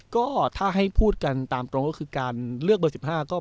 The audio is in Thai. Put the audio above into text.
ก็ถ้าให้พูดกันตามตรงก็คือการเลือกเบอร์๑๕ก็